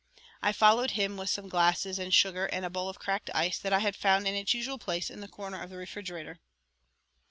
I followed him with some glasses and sugar and a bowl of cracked ice that I had found in its usual place in the corner of the refrigerator.